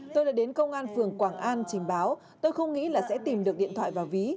tôi đã đến công an phường quảng an trình báo tôi không nghĩ là sẽ tìm được điện thoại và ví